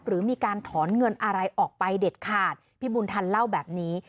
หรือมีการถอนเงินอะไรออกไปเด็ดขาดพี่บุญทันเล่าแบบนี้